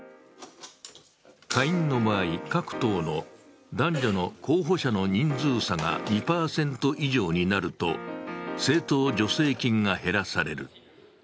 下院の場合、各党の男女の候補者の人数差が２％以上になると政党助成金が減らされる。